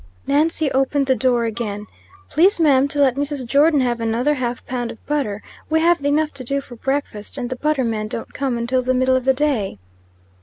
Nancy opened the door again. "Please, ma'am to let Mrs. Jordon have another half pound of butter. We haven't enough to do for breakfast, and the butter man don't come until the middle of the day."